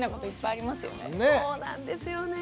そうなんですよね。